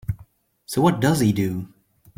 So what does he do?